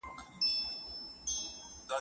دین په خطر کې نه دی، ویښ شه د جناب جنګ دی